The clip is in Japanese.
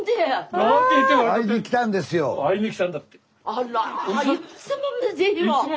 あら！